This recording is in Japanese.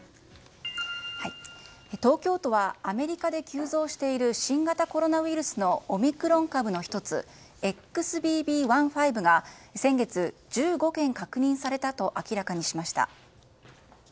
東京都はアメリカで急増している新型コロナウイルスのオミクロン株の１つＸＢＢ．１．５が先月１５件確認されたと明らかにしました。